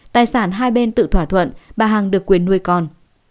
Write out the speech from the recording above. tài sản hai bên tự thỏa thuận bà hằng được quyền nuôi con